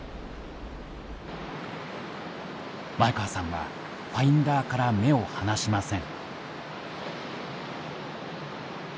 前川さんはファインダーから目を離しません。